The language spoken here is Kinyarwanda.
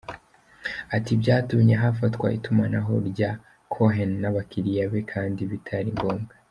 Ati “Byatumye hafatwa itumanaho rya Cohen n’abakiliya be kandi bitari ngombwa.